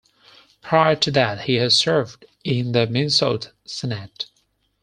Prior to that he had served in the Minnesota Senate.